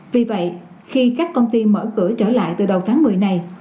vì vậy khi các công ty mở cửa trở lại từ đầu tháng một mươi này